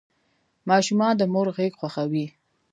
ماشومان د مور غږ خوښوي.